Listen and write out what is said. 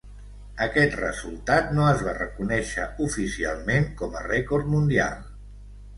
Aquest resultat no es va reconéixer oficialment com a rècord mundial